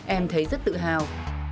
em thấy rất tự hào